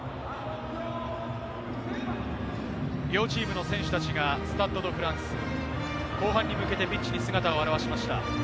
両チームの選手たちがスタッド・ド・フランス、後半に向けてピッチに姿を現しました。